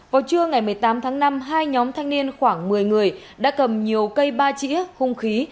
vào trưa ngày một mươi tám tháng năm hai nhóm thanh niên khoảng một mươi người đã cầm nhiều cây ba chĩa hung khí